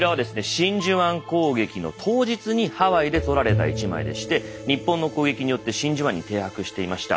真珠湾攻撃の当日にハワイで撮られた１枚でして日本の攻撃によって真珠湾に停泊していました